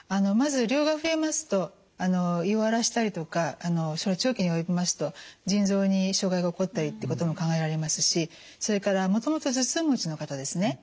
まず量が増えますと胃を荒らしたりとか長期に及びますと腎臓に障害が起こったりってことも考えられますしそれからもともと頭痛持ちの方ですね